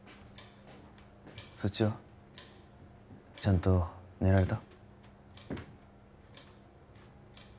そっちは？ちゃんと寝られた？